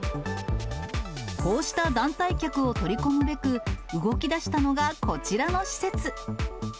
こうした団体客を取り込むべく、動きだしたのがこちらの施設。